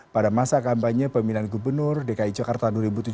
pada masa kampanye pemilihan gubernur dki jakarta dua ribu tujuh belas